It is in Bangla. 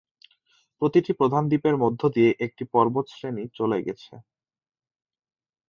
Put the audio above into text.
প্রতিটি প্রধান দ্বীপের মধ্য দিয়ে একটি পর্বতশ্রেণী চলে গেছে।